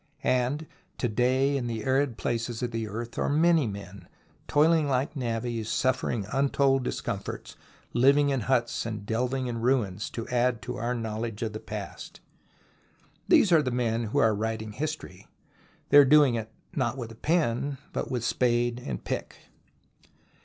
And, to day, in the arid places of the earth are many men toiling like navvies, suffering untold discomforts, living in huts and delving in ruins to add to our knowledge of 14 THE ROMANCE OF EXCAVATION the past. These are the men who are writing history. They are doing it not with a pen, but with spade and pick.